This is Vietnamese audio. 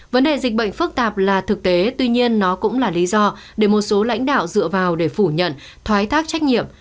vấn đề dịch bệnh phức tạp là thực tế tuy nhiên nó cũng là lý do để một số lãnh đạo dựa vào để phủ nhận thoái thác trách nhiệm